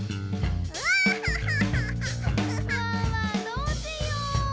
どうしよう？